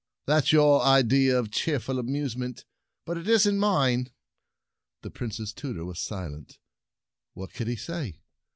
That's your idea of cheerful amusement; but it isn't mine." The Prince's tutor was silent. What could he say